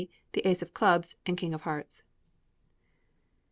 The ace of clubs and king of hearts.